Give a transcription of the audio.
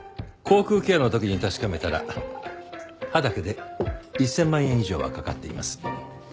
口腔ケアの時に確かめたら歯だけで１０００万円以上はかかっています。